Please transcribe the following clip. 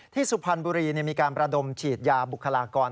สุพรรณบุรีมีการประดมฉีดยาบุคลากร